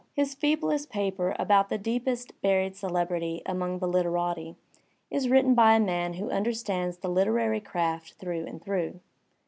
His feeblest paper about the deepest buried celebrity among the "literati" is written by a man who understands the literary craft through and through.